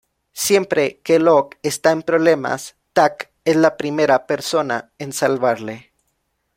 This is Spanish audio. Siempre que Lok esta en problemas, Tak es la primera persona en salvarle.